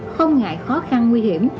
không ngại khó khăn nguy hiểm